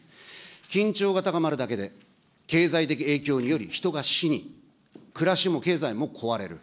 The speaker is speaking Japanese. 緊張が高まるだけで、経済的影響により人が死に、暮らしも経済も壊れる。